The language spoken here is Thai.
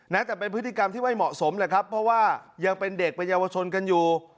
นะแต่เป็นพฤติกรรมที่ไม่เหมาะสมแหละครับเพราะว่ายังเป็นเด็กเป็นเยาวชนกันอยู่